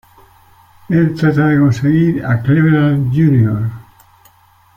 Él trata de conseguir a Cleveland Jr.